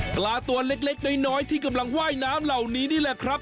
ปลาตัวเล็กน้อยที่กำลังว่ายน้ำเหล่านี้นี่แหละครับ